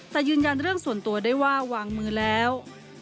แต่ยืนยันเรื่องส่วนตัวได้ว่าวางมือแล้ว